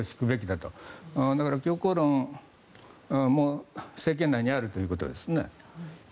だから強硬論も政権内にあるということですね。